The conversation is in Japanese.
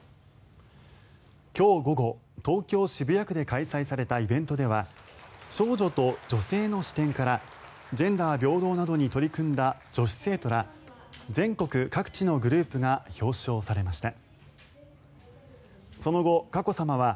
今日午後、東京・渋谷区で開催されたイベントでは少女と女性の視点からジェンダー平等などに取り組んだ女子生徒ら全国各地のグループが表彰されました。